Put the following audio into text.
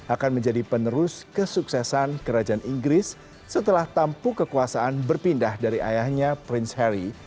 akan menjadi penerus kesuksesan kerajaan inggris setelah tampu kekuasaan berpindah dari ayahnya prince harry